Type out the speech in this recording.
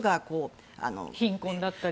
貧困だったり。